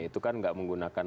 itu kan nggak menggunakan